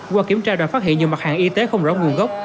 qua kiểm tra đã phát hiện nhiều mặt hàng y tế không rõ nguồn gốc